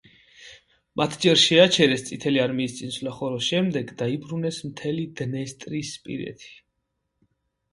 მათ ჯერ შეაჩერეს წითელი არმიის წინსვლა, ხოლო შემდეგ დაიბრუნეს მთელი დნესტრისპირეთი.